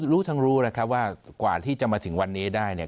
รู้ทั้งรู้นะครับว่ากว่าที่จะมาถึงวันนี้ได้เนี่ย